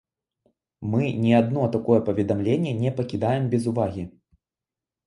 Мы ні адно такое паведамленне не пакідаем без увагі.